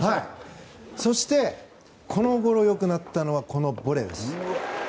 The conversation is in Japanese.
そしてこのごろ、良くなったのがボレーです。